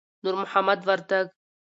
نور محمد وردک